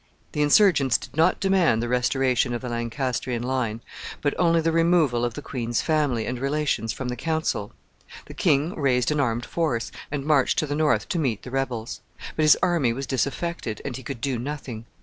The insurgents did not demand the restoration of the Lancastrian line, but only the removal of the queen's family and relations from the council. The king raised an armed force, and marched to the northward to meet the rebels. But his army was disaffected, and he could do nothing.